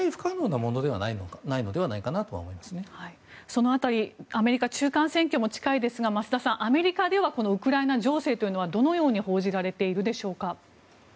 その辺りアメリカ中間選挙も近いですが増田さん、アメリカではウクライナ情勢というのはどのように報じられていますか。